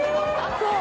そう！